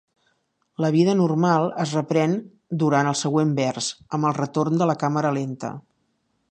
La vida normal es reprèn durant el següent vers amb el retorn de la càmera lenta.